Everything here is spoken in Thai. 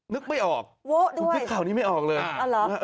นึกไม่ออกโว๊ะด้วยผมคิดข่าวนี้ไม่ออกเลยอ่า